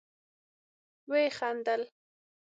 ويې خندل.